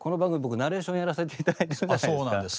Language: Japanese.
ナレーションやらせていただいてるじゃないですか。